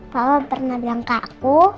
papa pernah bilang ke aku